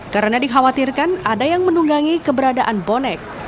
karena dikhawatirkan ada yang menunggangi keberadaan bonek